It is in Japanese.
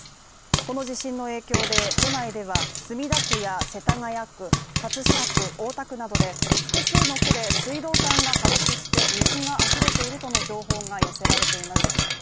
この地震の影響で都内では墨田区、世田谷区、葛飾区、大田区などで複数の区で水道管が破裂して水があふれているとの情報が寄せられています。